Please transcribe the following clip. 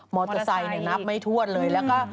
มอเตอร์ไซค์แบบนี้ไม่นับไม่ทวนเลยแล้วก็